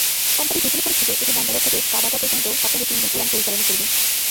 Company ঘোষণা করেছে যে এটি ব্যাঙ্গালোর থেকে কাডাপা পর্যন্ত সপ্তাহে তিনদিন উড়ান পরিচালনা করবে।